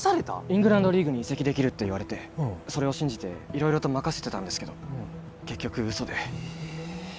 イングランドリーグに移籍できるって言われてそれを信じて色々と任せてたんですけど結局嘘でええっ！？